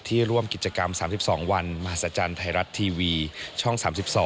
ร่วมกิจกรรม๓๒วันมหัศจรรย์ไทยรัฐทีวีช่อง๓๒